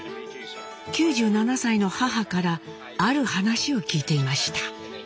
９７歳の母からある話を聞いていました。